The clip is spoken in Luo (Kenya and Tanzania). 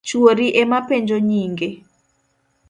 Chuori emopenjo nyinge.